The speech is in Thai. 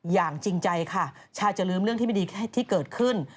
อย่างจริงใจค่ะชาวจะลืมเรื่องที่ไม่ดีที่เกิดขึ้น